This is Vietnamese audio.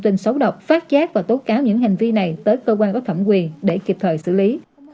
tin xấu độc phát giác và tố cáo những hành vi này tới cơ quan bất thẩm quyền để kịp thời xử lý